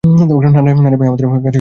না রে, ভাই, আমাদের কাছে আসল অস্ত্র আছে।